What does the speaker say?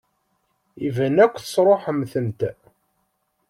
Iban akk tesṛuḥemt-tent.